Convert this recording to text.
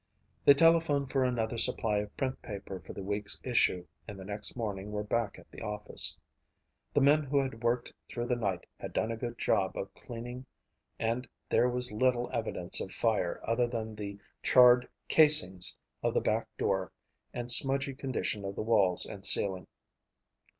They telephoned for another supply of print paper for the week's issue and the next morning were back at the office. The men who had worked through the night had done a good job of cleaning and there was little evidence of fire other than the charred casings of the back door and smudgy condition of the walls and ceiling.